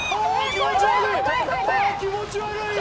気持ち悪い。